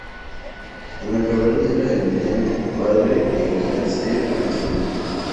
En la caverna del ermitaño, padre e hija se reconcilian.